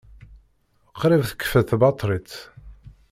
Qrib tekfa tbaṭrit.